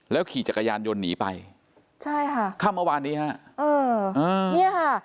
แล้วขี่จักรยานยนต์หนีไปใช่ค่ะข้ามมาวานนี้ค่ะเนี่ยค่ะ